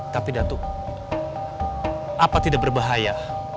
tapi datuk apa tidak berbahaya